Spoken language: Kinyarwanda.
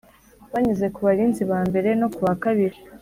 Banyuze ku barinzi ba mbere no ku ba kabiri